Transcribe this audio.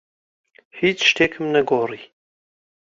هیچ شتێکم نەگۆڕی.